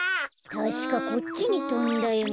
たしかこっちにとんだよな。